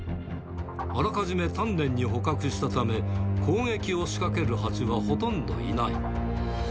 あらかじめ丹念に捕獲したため、攻撃を仕掛けるハチはほとんどいない。